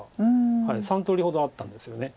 あれ３通りほどあったんですよね。